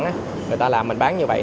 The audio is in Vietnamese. người ta làm mình bán như vậy